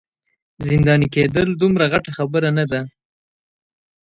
زنداني کیدل دومره غټه خبره نه ده.